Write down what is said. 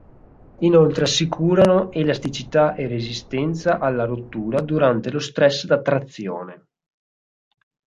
Inoltre assicurano elasticità e resistenza alla rottura durante lo stress da trazione.